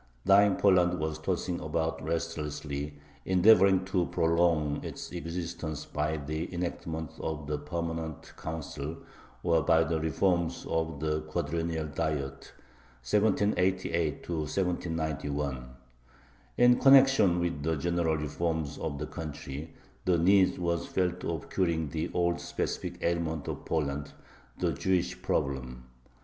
Dying Poland was tossing about restlessly, endeavoring to prolong its existence by the enactments of the Permanent Council or by the reforms of the Quadrennial Diet (1788 1791). In connection with the general reforms of the country the need was felt of curing the old specific ailment of Poland, the Jewish Problem.